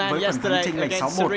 với phần hướng tranh lệch sáu một